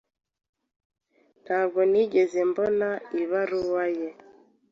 Ntabwo nigeze mbona ibaruwa ye.